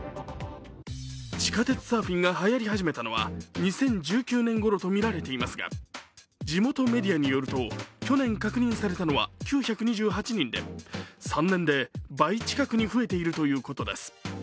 地下鉄サーフィンがはやり始めたのは２０１９年ごろとみられていますが地元メディアによると、去年確認されたのは９２８人で３年で倍近くに増えているということです。